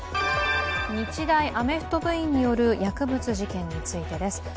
日大アメフト部員による薬物事件についてです。